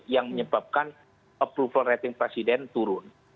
yang menyebabkan approval rating presiden turun